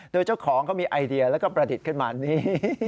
โดยเจ้าของเขามีไอเดียแล้วก็ประดิษฐ์ขึ้นมานี่